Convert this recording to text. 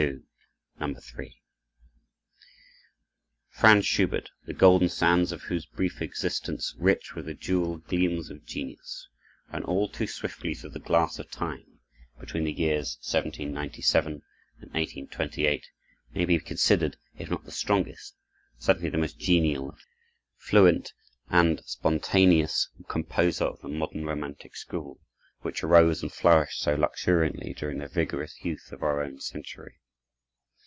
3 Franz Schubert, the golden sands of whose brief existence, rich with the jewel gleams of genius, ran all too swiftly through the glass of time, between the years 1797 and 1828, may be considered, if not the strongest, certainly the most genial, fluent, and spontaneous composer of the modern Romantic School, which arose and flourished so luxuriantly during the vigorous youth of our own century.